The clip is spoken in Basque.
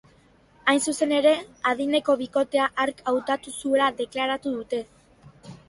Hain zuzen ere, adineko bikotea hark hautatu zuela deklaratu dute.